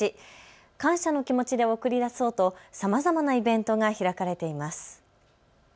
感謝の気持ちで送り出そうとさまざまなイベントが開かれています。